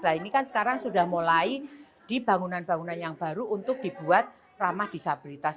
nah ini kan sekarang sudah mulai di bangunan bangunan yang baru untuk dibuat ramah disabilitas